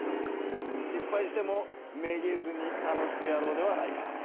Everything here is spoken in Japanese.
しっぱいしてもめげずに楽しくやろうではないか。